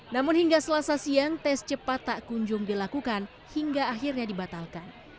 namun hingga selasa siang tes cepat tak kunjung dilakukan hingga akhirnya dibatalkan